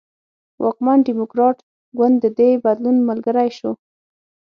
واکمن ډیموکراټ ګوند د دې بدلون ملګری شو.